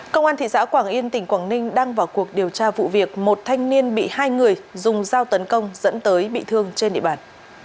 công an thị xã quảng yên tỉnh quảng ninh đang vào cuộc điều tra vụ việc một thanh niên bị hai người dùng dao tấn công dẫn tới bị thương trên địa bàn